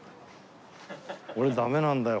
俺ダメなんだよ。